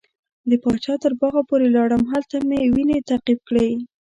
د پاچا تر باغه پورې لاړم هلته مې وینې تعقیب کړې.